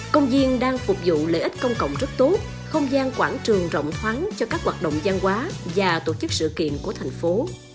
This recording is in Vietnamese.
công viên đang phục vụ lợi ích công cộng rất tốt không gian quảng trường rộng thoáng cho các hoạt động gian hóa và tổ chức sự kiện của thành phố